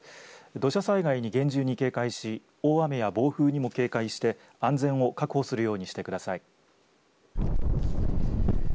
土砂災害に厳重に警戒し大雨や暴風にも警戒して安全を確保するようにしてください。